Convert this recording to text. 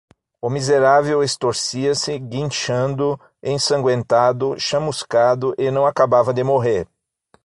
O miserável estorcia-se, guinchando, ensangüentado, chamuscado, e não acabava de morrer.